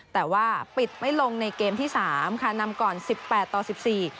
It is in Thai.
แต่ว่าปิดไม่ลงในเกมที่สามค่ะนำก่อนสิบแปดต่อสิบสี่